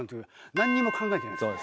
何にも考えてないです。